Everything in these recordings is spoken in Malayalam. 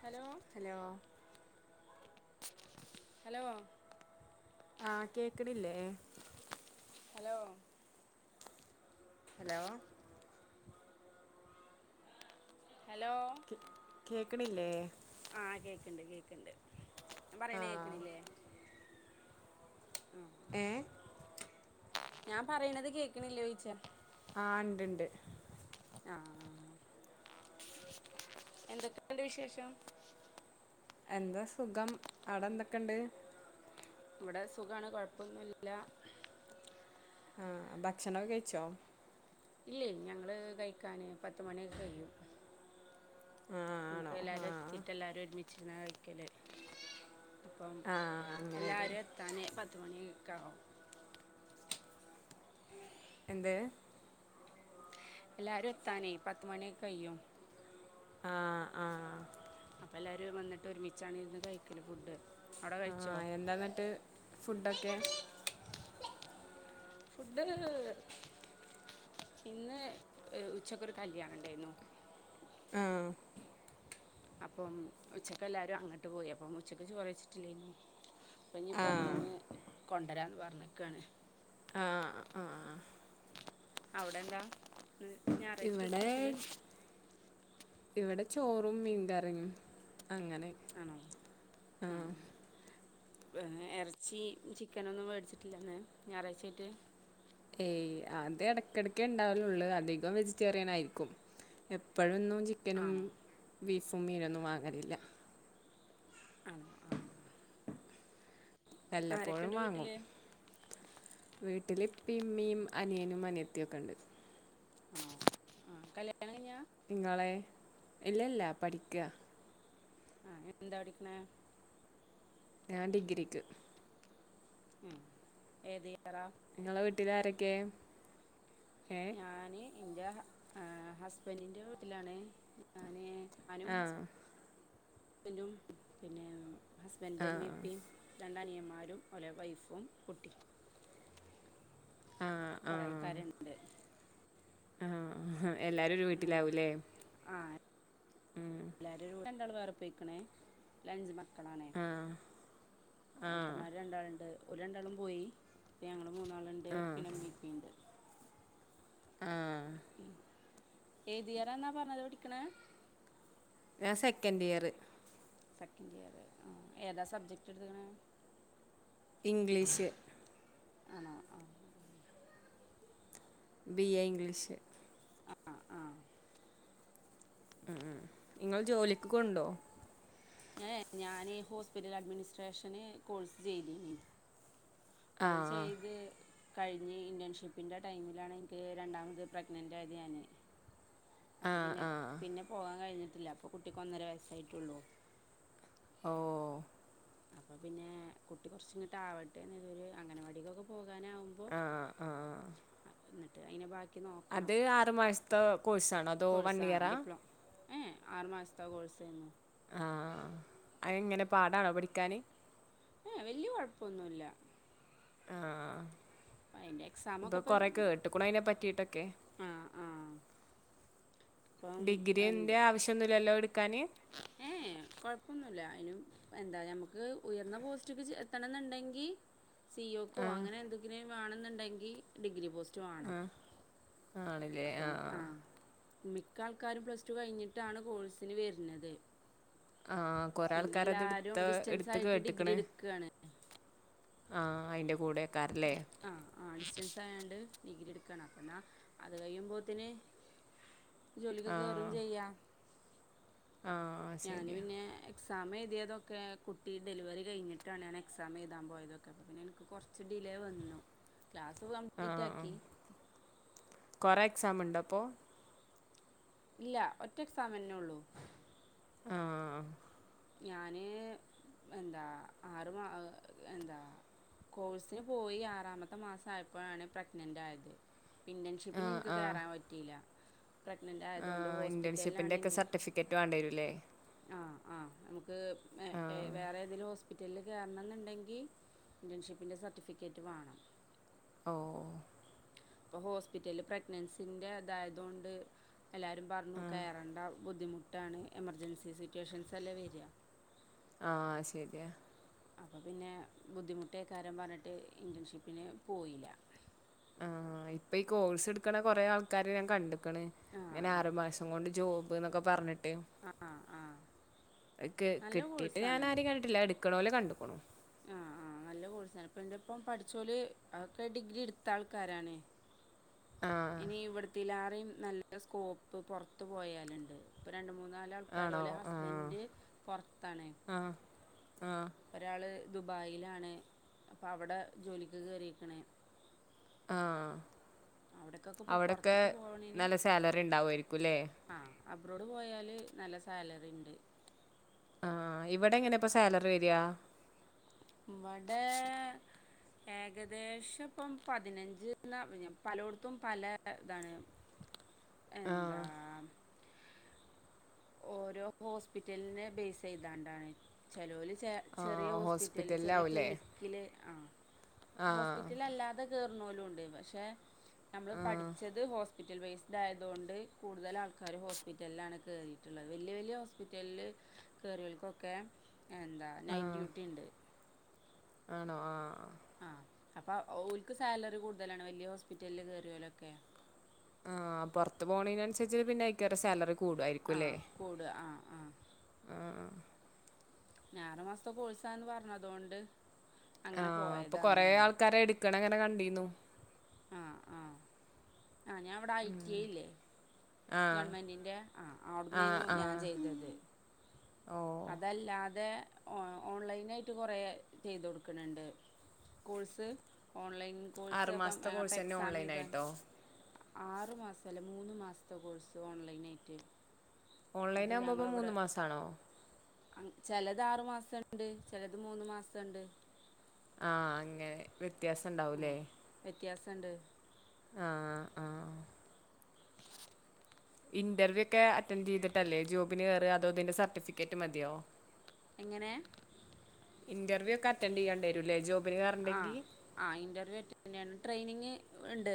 ഹലോ ഹലോ ഹലോ ആഹ് കേക്ണില്ലേ ഹലോ ഹലോ ഹലോ കേൾക്ണില്ലേ ആഹ് കേക്ണ്ട് കേക്ണ്ട് ഞാൻ പറയണ ആഹ് കേൾക്ണില്ലേ ഉം ഏഹ് ഞാൻ പറയ്ണത് കേൾക്ണില്ലോയിച്ച ആഹ് ണ്ട് ണ്ട്. ആഹ് എന്തൊക്കെയന്റെ വിശേഷം? എന്താ സുഖം അവടെ എന്തൊക്കെണ്ട്? ഇവിടെ സുഖാണ് കുഴപ്പൊന്നുല്ല. ആഹ് ഭക്ഷണൊക്കെ കഴിച്ചോ? ഇല്ലെ ഞങ്ങള് കഴിക്കാാന് പത്തുമണിയൊക്കെ കഴിയും. ആഹ് എല്ലാരും എത്തിയിട്ട് എല്ലാരും ഒരുമിച്ചിരുന്ന് കഴിക്കലെ. അപ്പം ആ അങ്ങനെയല്ലേ എല്ലാരും എത്താന് പത്തുമണിക്ക ആകും. എന്ത്? എല്ലാരും എത്താനേയ് പത്തുമണ്യൊക്കെ കയ്യും. ആഹ് ആഹ് അപ്പൊ എല്ലരും വന്നിട്ട് ഒരുമിച്ചാണിരുന്ന് കഴിക്കല് ഫുഡ്. അവിടെ കഴിച്ചോ ആഹ് എന്താന്ന്ട്ട് ഫുഡ്ഡൊക്കെ? ഫുഡ്ഡ് ഇന്ന് ഉച്ചക്കൊരു കല്ല്യാണണ്ടായിരുന്നു. ആഹ് അപ്പം ഉച്ചക്ക് എല്ലാരും അങ്ങോട്ട് പോയി അപ്പം ഉച്ചക്ക് ചോറ് വച്ചിട്ടില്ലേന്ന്. അപ്പൊഞി ആ പൊറത്ത്ന്ന് കൊണ്ടുവരാന്ന് പറഞ്ഞ്ക്കാണ്. ആഹ് ആഹ് അവിടെന്താ ഞായറാഴ്ച്ചിട്ട് ഇവിടെ സ്പെഷ്യല്? ഇവിടെ ചോറും മീൻകറിയും അങ്ങനെ. ആണോ? ആ ആഹ് ആ ് എറച്ചി ചിക്കനൊന്നും വേടിച്ചിട്ടില്ലന്ന് ഞായറാഴ്ച്ചായിട്ട്? ഏയ് അത് എട്ക്കെട്ക്കെ ണ്ടാവലുള്ളൂ അധികം വെജിറ്റേറിയനായിരിക്കും എപ്പോഴൊന്നും ചിക്കനും ആണോ ബീഫും മീനൊന്നും വാങ്ങലില്ല. ആണോ ആഹ്- വല്ലപ്പോഴും ആരൊക്കെയുണ്ട് വീട്ടിൽ വാങ്ങും. വീട്ടിലിപ്പീം മ്മീം അനിയനും അനിയത്തിയൊക്കണ്ട്. ആഹ് അ കല്യാ ങ്ങളെ ഇല്ല ഇല്ല പഠിക്ക. ആഹ് എന്താ പഠിക്ക്ണെ? ഞാൻ ഡിഗ്രിക്ക്. ം ഏത് യാറാ? ങ്ങളെ വീട്ടിലാരൊക്കേ? ഞാന് ഇൻ്റെ ഹസ്ബൻ്റിൻ്റെ വീട്ടിലാണ് ഞാന് ഞനും ആ ഹസ്ബന്റും പിന്നെ ആ ഹസ്ബൻഡന്റെ മ്മീം പ്പീം രണ്ടനിയന്മാരും ഓല വൈഫും കുട്ടിം. ആ കുറേ ആൾക്കാരുണ്ട് ആഹ് എല്ലാരും ഒരു വീട്ടിലാവൂല്ലേ? എല്ലാരും രണ്ടാൾ വേറെ പോയിക്ക്ണേ. ലഞ്ച് മക്കളാണേ ഏട്ടന്മാര് രണ്ടാൾണ്ട് ഒല് രണ്ടാളും പോയി. പ്പോ ഞങ്ങൾ മൂന്നാള്ണ്ട് പിന്നെ മ്മീപ്പീണ്ട്. ആഹ് ം ഏതിയറാന്നാ പറഞ്ഞത് പഠിക്ക്ണെ? ഞാൻ സെക്കൻ്റിയറ്. സെക്കൻ്റിയറ് ആഹ് ഏതാ സബ്ജക്റ്റ്ട്ത്ക്ക്ണ്? ഇംഗ്ലീഷ് ആണോ ആഹ്. ബി എ ഇംഗ്ലീഷ് ആ ആ ആ ആഹ് ആഹ് ങ്ങള് ജോലിക്ക് കൊണ്ടോ? ഏഹ് ഞാന് ഹോസ്പിറ്റൽ അഡ്മിനിസ്ട്രേഷന് കോഴ്സ് ചെയ്തിനി ആ അത് ആ ചെയ്ത് കഴിഞ് ഇൻന്റേൺഷിപ്പിൻ്റെ ടൈമിലാണ് എനിക്ക് രണ്ടാമത് പ്രഗ്നൻറ് ആയത് ഞാന് അപ്പ ആ പിന്നെ ആ പിന്നെ പോകാൻ കഴിഞ്ഞിട്ടില്ല പ്പ കുട്ടിക്ക് ഒന്നര വയസ്സായിട്ടുള്ളൂ. ഓഹ് അപ്പൊ പിന്നെ കുട്ടി കൊർച് ഇങ്ങട്ട് ആവട്ടെ ഒരു അംഗനവാടിക്കൊക്കെ പോകാനാവും പോ ആ ആ അന്ന്ട്ട് അയ്ന് ബാക്കി അത് നോക്കണം ആറു മാസത്തെ കോഴ്സാണോ അതോ വൺ ഇയറാ ഏഹ് ആറു മാസത്തെ കോഴ്സ് ആഹ് അതെങ്ങനെ പാടാണോ പഠിക്കാന്? ഏഹ് വല്യ കൊഴപ്പൊന്നുല്ല. ആഹ് അതിൻ്റെ ഇപ്പൊ എക്സാമൊക്കെ കുറെ കേട്ട്ക്ക്‌ണു അയിനെ പറ്റിട്ടൊക്കെ ആഹ് ആഹ് ഡിഗ്രിന്റെ ആവശ്യൊന്നുല്ലല്ലോ എടുക്കാന്? കൊഴപ്പൊന്നുല്ല അയ്നു എന്താ ഞമുക്ക് ഉയർന്ന പോസ്റ്റ ഒക്ക എത്തണന്ന്ണ്ടെങ്കി സി ഒക്കോ ആ അങ്ങനെ എന്തെങ്കിലു വേണമെന്നുണ്ടെങ്കി ഡിഗ്രി പോസ്റ്റ് വാണം ആണല്ലേ ആ അപ്പം ആഹ് മിക്ക ആൾക്കാരും പ്ലസ് ടു കഴിഞ്ഞിട്ടാണ് കോഴ്സിന് വര്ണത് ആ കുറേ പിന്നെ ആൾക്കാരത് എല്ലാരും എടുത്ത് ഡിസ്റ്റൻസ് എടുത്ത് ആയിട്ട് ഡിഗ്രി എട്ക്കാണ് ആഹ് അയിന്റെ കൂടെയക്കാരല്ലേ? ആഹ് ആഹ് ഡിസ്റ്റൻസ് ആയാണ്ട് ഡിഗ്രി എടുക്കുയാണ് അപ്പ എന്നാ അത് കഴിയുമ്പോത്ത്ന് [unintelligible] ജോലിക്ക് കേറും ചെയ്യ. ആഹ് ഞാന് പിന്നെ എക്സാം എഴുതിയതൊക്കെ കുട്ടി ഡെലിവറി കഴിഞ്ഞിട്ടാണ് ഞാ എക്സാം എഴുതൻ പോയതൊക്കെ അപ്പോൾ പിന്നെ എനിക്ക് കൊർ ച്ച് ഡിലേ വന്നു ക്ലാസ് കംപ്ലീറ്റ് ആക്കി കൊറ എക്സാമ്ടോ അപ്പോ? ഇല്ല ഒറ്റെ എക്സാമന്നെള്ളൂ. ആഹ് ഞാന് എന്താ ആറ് മാ ങ് എന്താ കോഴ്സിന് പോയി ആറാമത്തെ മാസം ആയപ്പോഴാണ് പ്രഗ്നന്റ് ആയത് ആ ഇന്റേൺഷിപ്പിന് ൻക്ക് ആ കേറാൻ പറ്റില്ല പ്രക്നന്റ് ആ ആയതൊണ്ട് ഇന്റേൺഷിപ്പിന്റെ ഹോസ്പിറ്റലിലാണ് ഒക്കെ ൻ്റെ സർട്ടിഫിക്കറ്റ് വേണ്ടിവരൂല്ലേ ആഹ് ആഹ് നമുക്ക് ങ് ആ വേറെതെങ്കിലും ഹോസ് പിറ്റല് കേറണന്ന്ണ്ടങ്കി ഇന്റേൺഷിപ്പിൻ്റെ സർട്ടിഫിക്കറ്റ് വേണം ഓഹ് ഇപ്പൊ ഹോസ്പിറ്റലില് പ്രഗ്ൻസിന്റെ ഇതായതൊണ്ട് എല്ലാരും പറഞ്ഞു കയറേണ്ട ബുദ്ധിമുട്ടാണ് എമർജൻസി സിറ്റുവേഷൻസല്ലെ വര് ആഹ് ശരിയാ അപ്പോ പിന്നെ ബുദ്ധിമുട്ടേക്കാരും പറഞ്ഞിട്ട് ഇന്റേൺഷിപ്പിന് പോയില്ല ആഹ് ഇപ്പൊ ഈ കോഴ്സ് ഇട്ക്ക്ണ കൊറേ ആൾക്കാരെ ഞാൻ കണ്ട്ക്ക്‌ണ് ഇങ്ങനെ ആഹ് ആറു മാസം കൊണ്ട് ജോബ് ബ്ന്നൊക്കെ പറഞ്ഞിട്ട് ആഹ് ആഹ് ക് നല്ല കിട്ടിട്ട് ഞാന് കോഴ്സാണ് ആരിം കണ്ടിട്ടില്ല എടുക്ക്ണൊലെ കണ്ട്ക്കുണു ആഹ് ആഹ് നല്ല കോഴ്സാണ് ഇപ്പഇന്റെ ഇപ്പം പഠിച്ചൊല് അത്ക്കെ ഡിഗ്രി ഇട്ത്ത ആൾക്കാരാണ് ആ ഇനി ഇവടത്തിലാറേം നല്ല സ്കോപ്പ് പൊറത്ത് പോയാല്ണ്ട് ഇപ്പരണ്ട് മൂന്ന് നാലആൾക്കാര് ആണോ ഓലെ ആ ഹസ്ബൻഡ് പൊറത്താണ് ആഹ് ഒരാള് ദുബായിലാണ് അപ്പഅവടെ ജോലിക്ക് കേറിക്കണേ ആഹ് അവിടക്കൊക്കെ ഇപ്പൊ അവടക്കെ പുറത്തേക്ക് പോവണേന് നല്ല സാലറി ഇണ്ടാവുവാരിക്കുല്ലേ ആഹ് അബ്രോഡ് പോയാല് നല്ല സാലറി ഇണ്ട് ആഹ് ഇവടെ എങ്ങനെ ഇപ്പസാലറി വര്യാ ഇവടെ ഏകദേശം ഇപ്പം പതിനഞ്ച്ന്ന് പലൊട്ത്തും പല ഇതാണ് ആ എന്താ ഓരോ ഹോസ്പിറ്റലിനെ ബേസ് യ്താണ്ടാണ് ചെലോല് ചെ ആ ചെറിയ ഹോസ്പിറ്റല് ചെറിയ ഹോസ്പിറ്റലിലാവൂല്ലേ ക്ലിനിക് ക്ക്‌ല് ആഹ് ആ ഹോസ്പിറ്റലല്ലാതെ കേറുണൊലും ഉണ്ട് പഷേ നമ്മള് പഠിച്ചത് ഹോസ്പിറ്റൽ ബെസ്ഡ് ആയതുകൊണ്ട് കൂടുതൽ ആൾക്കാർ ഹോസ്പിറ്റലിലാണ് കേറി ട്ട്ള്ളെ വല്യ വല്യ ഹോസ്പിറ്റലിൽ കേറിയൊൽക്കൊക്കെ എന്താ നൈറ്റ് ഡ്യൂട്ടിണ്ട് ആണോ ആഹ് ആഹ് അപ്പോ ഓല്ക്ക് സാലറി കൂടുതലാണ് വല്യ ഹോസ്പിറ്റലിൽ കേറിയോലൊക്കെ ആഹ് പൊറത്ത് പോണെനനുസരിച്ച് പിന്നെ അയ്ക്കെറെ സാലറിക് ആഹ് കൂടാ ആഹ് ആഹ് ആഹ് ന്നാറു മാസത്തെ കൊഴ്സാന്ന് പറഞ്ഞതുകൊണ്ട് അങ്ങനെ ആഹ് അപ്പോ പോയതാണ് കൊറെേ ഞാന് ആൾക്കാരെ എടുക്കണ അങ്ങനെ കണ്ടിനു ആഹ് ആഹ് ആഹ് ഞാവടെ ഐ ടി ഐ ഇല്ലേ ആഹ് ഗവൺമെൻറ്റിൻ്റെ ആഹ് ആഹ് അവടന്നെന്നു ഞാ ആഹ് ചെയ്തത് ഓഹ് അതല്ലാതെ ഓ ഓൺലൈനായിട്ട് കൊറെ ചെയ്ത് കൊടുക്ക്‌ണ് ണ്ട് കോഴ്സ് ഓൺലൈൻ കോഴ്സ് ആറ് അപ്പം മാസത്തെ അപ്പം കോഴ്സന്നെ എക്സാം എയ്താന് ഓൺലൈനായിട്ടോ ആറു മാസഅല്ല മൂന്ന് മാസത്തെ കോഴ്സ് ഓൺലൈനായിറ്റ് ഓൺലൈൻ ആകുമ്പോപ്പോമൂന്ന് മാസാണോ ചെലത് ആറ്മാസം ഇണ്ട് ചെലത് മൂന്ന് മാസംഇണ്ട് ആഹ് അങ്ങനെ വ്യത്യാസം ഉണ്ടാവൂലേ വ്യത്യാസണ്ട് ആഹ് ആഹ് ഇന്റർവ്യൂ ഒക്കെ അറ്റൻഡ് ചെയ്തിട്ടല്ലേ ജോബിന് കേറാ അതോതിന്റെ സർട്ടിഫിക്കറ്റ് മതിയൊ എങ്ങനെ? ഇന്റർവ്യൂ ഒക്കെ അൻഡന്റ്യ്യണ്ടരുല്ലേ ജോ ആഹ് ആഹ് ഇന്റർവ്യൂ അറ്റൻഡ് ചെയ്യണം ട്രെയിനിങ് ഇണ്ട്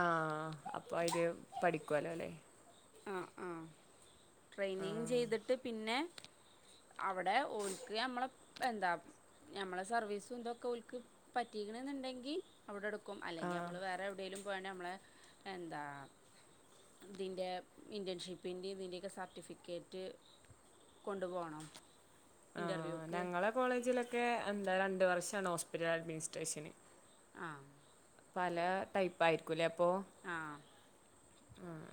ആഹ് അപ്പോ അയില് പഠിക്കുവല്ലോലേ ആഹ് ആഹ് ട്രെയിനിങ് ചെയ്തിട്ട് പിന്നെ അവടെ ഓല്ക്ക് ഞമ്മളെ എന്താ ഞമ്മളെ സർവീസും ഇതൊക്കെ ഓൽക്ക് പറ്റിക്കണ് എന്നുണ്ടെങ്കിൽ അവിടെടുക്കും അല്ലങ്കി നമ്മൾ വേറെ എവിടെലും വേണേ അമ്മളേ എന്താ ഇതിൻ്റെ ഇന്റേൺഷിപ്പിൻ്റെയും ഇതിന്റെ ഒക്കെ സർട്ടിഫിക്കറ്റ് കൊണ്ടുപോണം ആഹ് ഞങ്ങളെ കോളേജിലൊക്കെ എന്താ രണ്ട് വർഷമാണ് ഹോസ്പിറ്റൽ അഡ്മിനിസ്ട്രേഷന് ആഹ് പല ടൈപ്പ് ആയിരിക്കുല്ലേ അപ്പൊ ആഹ് ഉം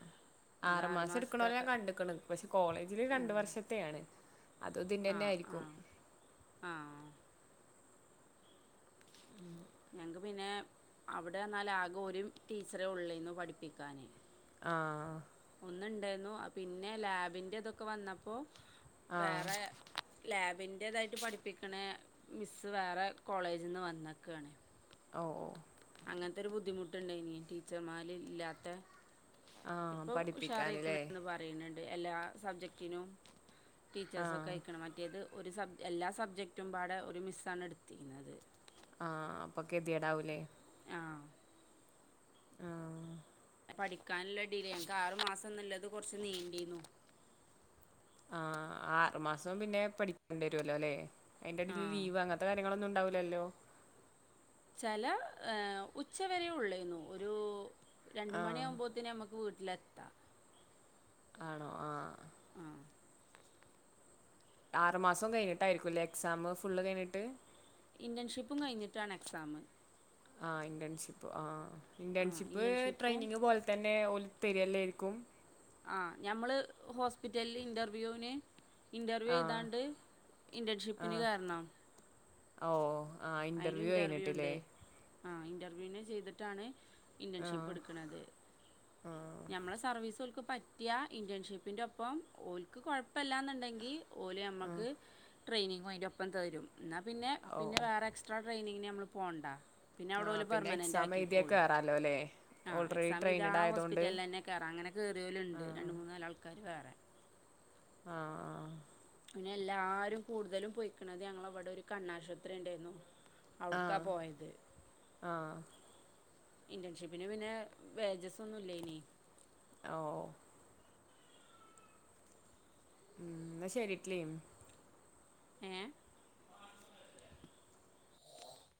ഇത് ആറു ആറ് മാസം മാസത്തെ എടുക്കണോലെ ഞാൻ കണ്ട്ക്കണ് പക്ഷെ കോളേജില് രണ്ട് വർഷത്തെയാണ് അത് ഇതിന്റെന്നെ ആഹ് ആയിരിക്കു ആഹ് ആഹ് ഞങക്ക് പിന്നെ അവിടെ അറിഞ്ഞാല് ആകെ ഒരു ടീച്ചറേ ഉള്ളേരുന്നു പഠിപ്പിക്കാന് ആഹ് ഒന്നുണ്ടായിരുന്നു പിന്നെ ലാബിന്റെ ഇതൊക്കെ വന്നപ്പോ ആഹ് വേറെ ലാബിന്റെ ഇതായിട്ട് പഠിപ്പിക്കണ മിസ്സ് വേറെ കോളേജിൽന്ന് വന്നക്കാണ് ഓഹ് ഓഹ് അങ്ങനത്തെ ഒരു ബുദ്ധിമുട്ടുണ്ടായിന് ടീച്ചർമാര് ഇല്ലാത്ത ആഹ് ഇപ്പൊ ഉഷാറിയിക്കണ് പഠിപ്പിക്കാന്ല്ലേ എന്ന് പറ പറയുന്നുണ്ട് എല്ലാ സബ്ജക്റ്റിനും ടീച്ചേഴ്സൊക്കെ ആഹ് ആയിക്കണ് മറ്റേത് ഒരു സബ് എല്ലാ സബ്ജക്റ്റും പാടെ ഒരു മിസ്സാണ് എടുത്തിരിന്നത് ആഹ് അപ്പൊ ഗതിയേടാവൂല്ലേ ആഹ് ആഹ് പഠിക്കാനുള്ള ഡിലെ എനിക്ക് ആറ് മാസംന്നള്ളത് കൊറച്ച് നീണ്ടീന്നു ആഹ് ആറു മാസം പിന്നെ പഠിക്കേണ്ടിവരുവല്ലോ അല്ലേ അയ്ന്റെ എടേല് ആഹ് ലീവ് അങ്ങനത്തെ കാര്യങ്ങളൊന്നും ഉണ്ടാവില്ലല്ലോ ചെല ഉച്ചവരെയേ ഉള്ളേനു ഒരു രണ്ട് മണിയാകുമ്പോഴത്തേനും അമുക്ക് വീട്ടിലെത്താം ആണോ ആഹ് ആഹ് ആറു മാസം കഴിഞ്ഞിട്ടായിരിക്കുംല്ലേ എക്സാം ഫുള്ള് കഴിഞ്ഞിട്ട് ഇൻറേൺഷിപ്പും കഴിഞ്ഞിട്ടാണ് എക്സാമ് ആഹ് ഇന്റേൺഷിപ്പ് ആ ആഹ് ഇന്റേൺഷിപ്പ് ഇന്റേൺഷിപ്പും ട്രെയിനിങ് പോലെ തന്നെ ഓല് ത്തെരിയല്ല ആയിരിക്കും ആഹ് ഞമ്മള് ഹോസ്പിറ്റലില് ഇന്റർവ്യൂവിന് ഇൻറർവ്യൂ ആ എഴുതാണ്ട് ഇന്റേൺഷിപ്പിന് കേറണം ഓഹ് ആഹ് അയിനും ഇന്റർവ്യൂ കഴിഞ്ഞിട്ടില്ലേ ഉണ്ട് ആഹ് ഇന്റർവ്യൂന് ചെയ്തിട്ടാണ് ഇന്റേൺഷിപ്പ് എടുക്കണത് ഞമ്മളെ സർവീസു ഓൽക്ക് പറ്റ റ്റിയാൽ ഇന്റേൺഷിപ്പിന്റെ ഒപ്പം ഓൽക്ക് കൊഴപ്പല്ലാന്നുണ്ടെങ്കിൽ ഓല് ഞമ്മക്ക് ട്രെയിനിങ് അയിന്റെ ഒപ്പം തരും എന്നാൽ പിന്നെ ഓ പിന്നെ വേറെ എക്സ്ട്രാ ട്രെയിനിങ്ങിന് നമ്മള് പോണ്ട പിന്നെ ആ അവിടെ ഓല് പിന്നെ പെർമനൻറ് എക്സാം എഴുതിയാ ആക്കിക്കോളും കേറാലോ അല്ലേ ആഹ് ഓൾറെഡി എക്സാം എഴുതിയ ട്രെയിനഡ് ആ ആയതുകൊണ്ട് ഹോസ്പിറ്റലിൽ തന്നെ കേറ അങ്ങനെ കയറി ഓല് ഉണ്ട് മൂന്ന് നാളാൾക്കാര് വേറെ ആഹ് പിന്നെ എല്ലാരും കൂടുതലും പൊയിക്കണത് ഞങ്ങള ഇവിടെ ഒരു കണ്ണാശുപത്രി ഉണ്ടായിരുന്നു ആ അവ്ട്ക്കാ പോയത് ആ ഇന്റേൺഷിപ്പിന് പിന്നെ വേജസ്സൊന്നുല്ലേനി ഓഹ് ഉം ന്ന ശരീട്ടിലിം ഏഹ്